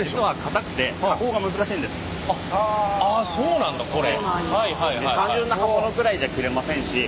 あそうなんだこれ。